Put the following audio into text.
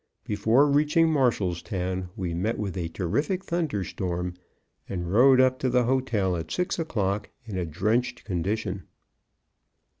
Before reaching Marshalltown, we met with a terrific thunderstorm, and rode up to the hotel at six o'clock in a drenched condition.